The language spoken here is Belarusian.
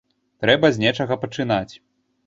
Трэба з нечага пачынаць.